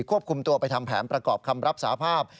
ควบคุมตัวไปทำแผนประกอบคำรับสาภาพ